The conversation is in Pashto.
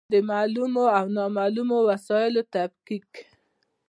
د معلومو او نامعلومو مسایلو تفکیک.